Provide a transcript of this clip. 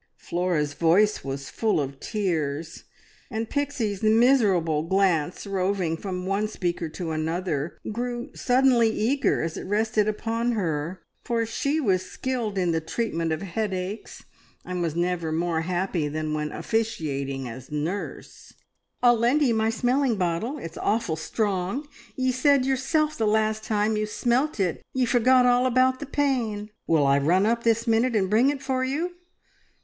Flora's voice was full of tears, and Pixie's miserable glance, roving from one speaker to another, grew suddenly eager as it rested upon her, for she was skilled in the treatment of headaches, and was never more happy than when officiating as nurse. "I'll lend ye my smelling bottle. It's awful strong! Ye said yourself the last time you smelt it ye forgot all about the pain. Will I run up this minute, and bring it for you?"